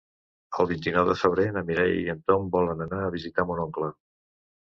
El vint-i-nou de febrer na Mireia i en Tom volen anar a visitar mon oncle.